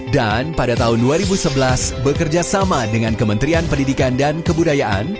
dan pada tahun dua ribu sebelas bekerja sama dengan kementerian pendidikan dan kebudayaan